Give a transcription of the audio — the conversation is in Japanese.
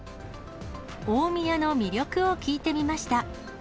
大宮の魅力を聞いてみました。